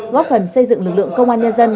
góp phần xây dựng lực lượng công an nhân dân